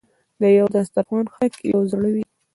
د یو دسترخان خلک یو زړه وي.